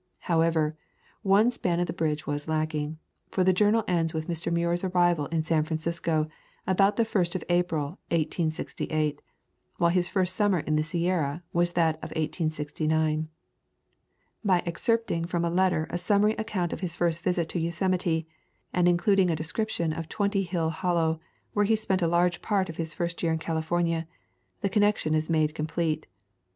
However, one span of the bridge was lacking, for the journal ends with Mr. Muir's arrival in San Francisco about the first of April, 1868, while his first summer in the Sierra was that of 1869. By excerpting from a letter a summary account of his first visit to Yosemite, and in cluding a description of Twenty Hill Hollow, where he spent a large part of his first year in California, the connection is made complete.